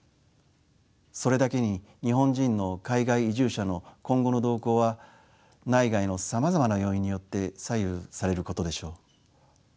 それだけに日本人の海外移住者の今後の動向は内外のさまざまな要因によって左右されることでしょう。